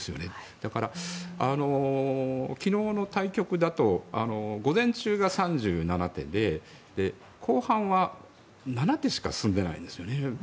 だから、昨日の対局だと午前中が３７手で後半は７手しか進んでないんですね。